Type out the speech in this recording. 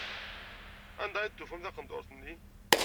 Anda ay d-tufam taqendurt-nni?